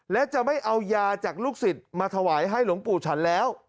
และจะไม่เอายาจากลูกศิษย์มาถวายให้หลวงปู่ฉันแล้ว